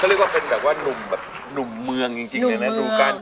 เรียกว่าเป็นแบบว่านุ่มแบบหนุ่มเมืองจริงเลยนะดูกัน